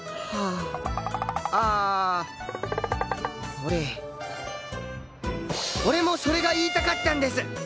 ああ俺俺もそれが言いたかったんです。